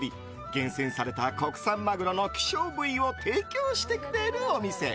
厳選された国産マグロの希少部位を提供してくれるお店。